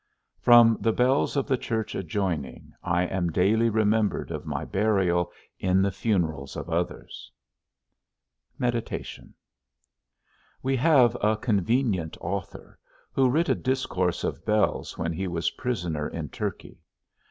From the bells of the church adjoining, I am daily remembered of my burial in the funerals of others. XVI. MEDITATION. We have a convenient author, who writ a discourse of bells when he was prisoner in Turkey.